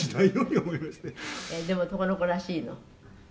「でも男の子らしいの？」